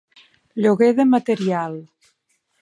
Lloguer de material.